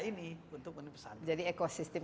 ini untuk menemukan pesan jadi ekosistem